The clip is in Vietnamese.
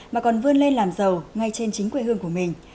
mà còn vươn lên làm giàu ngay trên chính quê hương của mình